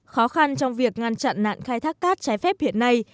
khó khăn trong việc ngăn chặn nạn khai thác cát trái phép hiện nay